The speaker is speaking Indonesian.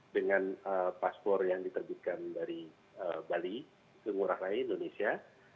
dengan paspor yang diterbitkan dari bali ke ngurah rai indonesia